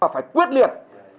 phải quyết liệt